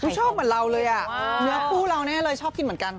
ชอบเหมือนเราเลยอ่ะเนื้อคู่เราแน่เลยชอบกินเหมือนกัน